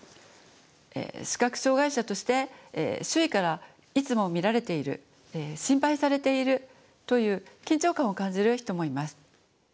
視覚障害者として周囲からいつも見られている心配されているという緊張感を感じる人もいます。